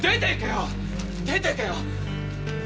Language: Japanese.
出てけよ！